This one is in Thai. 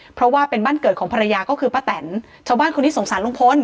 เพราะว่าเป็นบ้านเกิดของภรรยาก็คือป้าแตนชาวบ้านคนนี้สงสารลุงพล